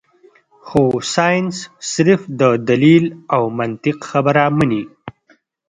خو سائنس صرف د دليل او منطق خبره مني -